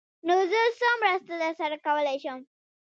_نو زه څه مرسته درسره کولای شم؟